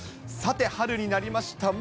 さて、春になりました。